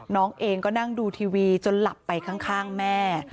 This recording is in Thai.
น้องเองก็นั่งดูทีวีจนหลับไปข้างแม่